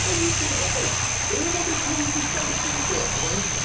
やっぱり英語で教育したりすると上がるんです。